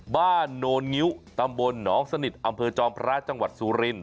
บ้านโนนิ้วตำบลหนองสนิทอำเภอจอมพระราชจังหวัดสุรินทร์